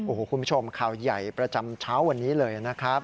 โอ้โหคุณผู้ชมข่าวใหญ่ประจำเช้าวันนี้เลยนะครับ